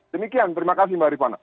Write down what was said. demikian terima kasih mbak rifana